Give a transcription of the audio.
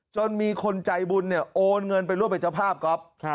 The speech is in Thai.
จนมีคนใจบุญโอนเงินไปร่วมเป็นเจ้าภาพครับ